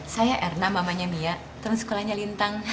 saya erna mamanya mia terus sekolahnya lintang